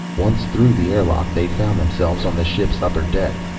Once through the airlock they found themselves on the ship's upper deck.